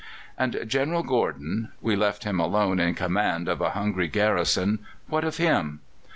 And General Gordon we left him alone in command of a hungry garrison what of him?